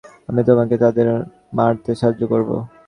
আমি তোমাকে তাদের মারতে সাহায্য করব।